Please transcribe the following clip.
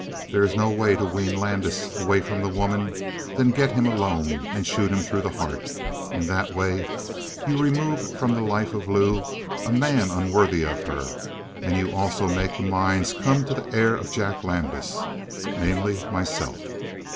If there is no way to wean Landis away from the woman, then get him alone and shoot him through the heart. In that way you remove from the life of Lou a man unworthy of her and you also make the mines come to the heir of Jack Landis namely, myself.